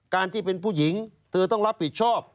การที่เป็นผู้หญิงเธอต้องรับผิดชอบ